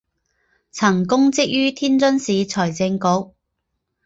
曾供职于天津市财政局。